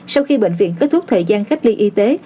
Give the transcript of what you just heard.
sau khi bệnh viện kết thúc thời gian cách ly y tế